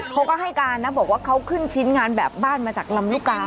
เขาก็ให้การนะบอกว่าเขาขึ้นชิ้นงานแบบบ้านมาจากลำลูกกา